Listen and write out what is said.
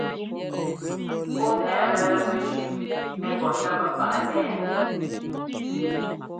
Ɔ́ nɛ́ɛ mɛ́tɛ́ mɛjʉ́ ɛ́ pɔ́ ńdɛ́mɛ páꞌ nɛ ɛ́ɛ ?